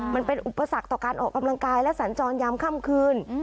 มันเป็นอุปสรรคต่อการออกกำลังกายและสัญจรยามค่ำคืน